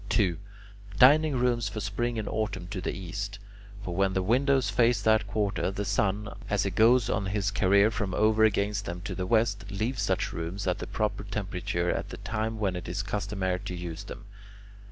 2. Dining rooms for Spring and Autumn to the east; for when the windows face that quarter, the sun, as he goes on his career from over against them to the west, leaves such rooms at the proper temperature at the time when it is customary to use them.